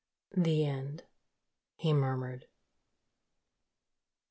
"The end," he murmured.